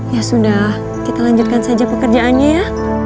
ya sudah kita lanjutkan saja pekerjaannya ya